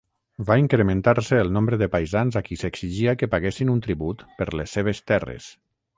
Va incrementar-se el nombre de paisans a qui s'exigia que paguessin un tribut per les seves terres.